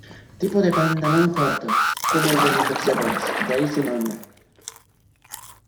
Tipo de pantalón corto, como el de los boxeadores, de ahí su nombre.